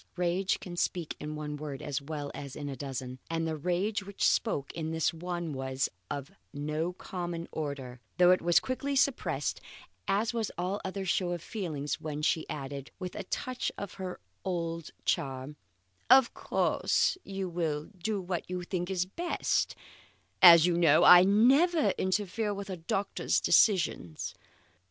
Rage can speak in one word as well as in a dozen, and the rage which spoke in this one was of no common order, though it was quickly suppressed, as was all other show of feeling when she added, with a touch of her old charm: "Of course you will do what you think best, as you know I never interfere with a doctor's decisions.